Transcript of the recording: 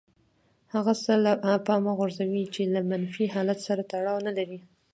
هغه څه له پامه غورځوي چې له منفي حالت سره تړاو نه لري.